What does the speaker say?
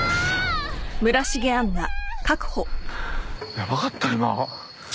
ヤバかった今。